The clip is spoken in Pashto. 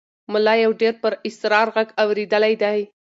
ملا یو ډېر پراسرار غږ اورېدلی دی.